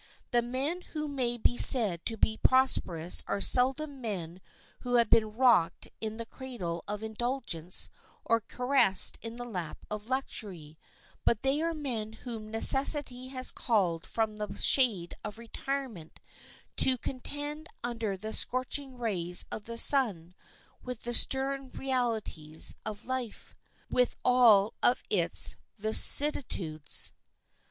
The men who may be said to be prosperous are seldom men who have been rocked in the cradle of indulgence or caressed in the lap of luxury, but they are men whom necessity has called from the shade of retirement to contend under the scorching rays of the sun with the stern realities of life, with all of its vicissitudes.